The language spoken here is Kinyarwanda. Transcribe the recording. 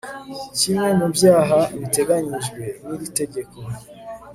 kimwe mu byaha biteganyijwe n iri tegeko